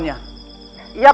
iya pak rw